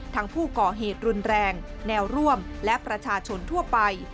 ทั้งผู้ก่อเหตุรุนแรงแนวร่วมและประชาชนทั่วไป